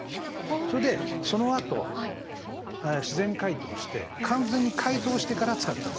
それでそのあと自然解凍して完全に解凍してから使ったほうがいい。